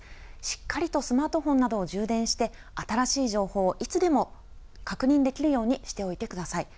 しっかりとスマートフォンなどを充電して、新しい情報をいつでも確認できるようにしておいてください。